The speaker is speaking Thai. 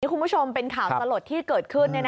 คุณผู้ชมเป็นข่าวสลดที่เกิดขึ้น